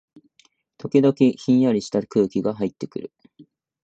時々、ひんやりした空気がはいってくる